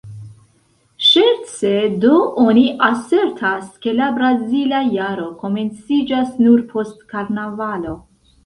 Ŝerce do oni asertas, ke la brazila jaro komenciĝas nur post karnavalo.